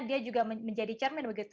dia juga menjadi cermin